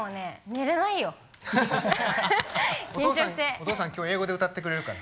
お父さん今日英語で歌ってくれるから。